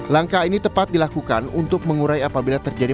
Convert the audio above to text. langkah ini tepat dilakukan untuk mengurai apabila terjadi